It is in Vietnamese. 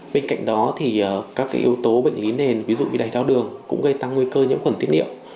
bên cạnh đó các yếu tố bệnh lý nền ví dụ đầy đau đường cũng gây tăng nguy cơ nhiễm khuẩn tiết niệm